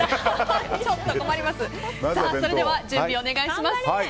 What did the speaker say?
それでは準備をお願いします。